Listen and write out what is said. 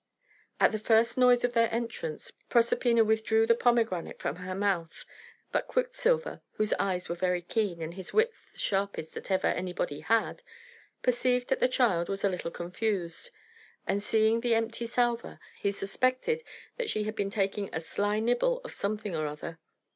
At the first noise of their entrance, Proserpina withdrew the pomegranate from her mouth. But Quicksilver (whose eyes were very keen, and his wits the sharpest that ever anybody had) perceived that the child was a little confused; and seeing the empty salver, he suspected that she had been taking a sly nibble of something or other.